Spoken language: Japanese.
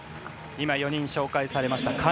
今、４人紹介されました。